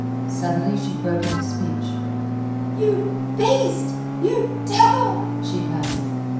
Suddenly she broke into speech. "You beast! You devil!" she panted.